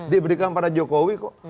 diberikan pada jokowi kok